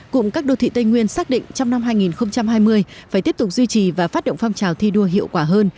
cụm các đô thị tây nguyên xác định trong năm hai nghìn hai mươi phải tiếp tục duy trì và phát động phong trào thi đua hiệu quả hơn